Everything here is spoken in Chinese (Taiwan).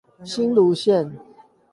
新蘆線